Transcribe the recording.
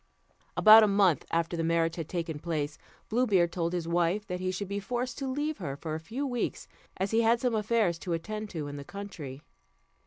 About a month after the marriage had taken place, Blue Beard told his wife that he should be forced to leave her for a few weeks, as he had some affairs to attend to in the country.